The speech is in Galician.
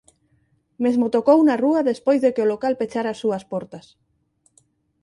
Mesmo tocou na rúa despois de que o local pechara as súas portas.